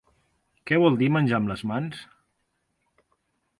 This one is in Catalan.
Què vol dir menjar amb les mans?